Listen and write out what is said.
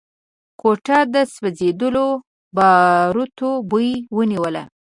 کوټه د سوځېدلو باروتو بوی ونيوله.